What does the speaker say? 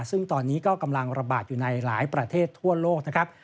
ซึ่งตอนนี้ก็กำลังระบาดอยู่ในหลายประเทศทั่วโลกนะครับ